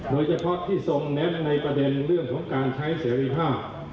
โดยเฉพาะที่ทรงเน้นในประเด็นเรื่องของการใช้เสรีภาพ